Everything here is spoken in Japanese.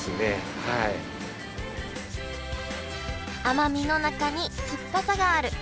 甘みの中に酸っぱさがある。